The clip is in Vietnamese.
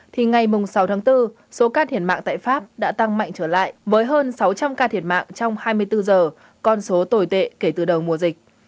thì ngày sáu tháng bốn số ca thiệt mạng tại pháp đã tăng mạnh trở lại với hơn sáu trăm linh ca thiệt mạng trong hai mươi bốn giờ con số tồi tệ kể từ đầu mùa dịch